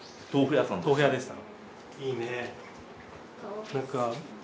豆腐屋でした。